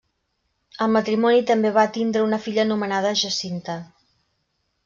El matrimoni també va tindre una filla anomenada Jacinta.